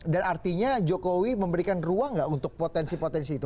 dan artinya jokowi memberikan ruang gak untuk potensi potensi itu